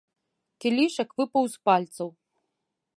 Кілішак выпаў з пальцаў.